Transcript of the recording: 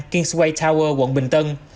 kingsway tower quận bình tân